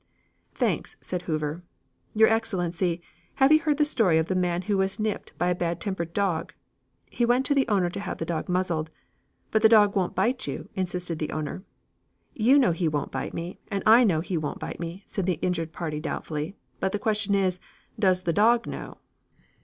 "Thanks," said Hoover. "Your Excellency, have you heard the story of the man who was nipped by a bad tempered dog? He went to the owner to have the dog muzzled. 'But the dog won't bite you,' insisted the owner. 'You know he won't bite me, and I know he won't bite me,' said the injured party doubtfully, 'but the question is, does the dog know?'"